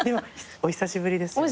お久しぶりです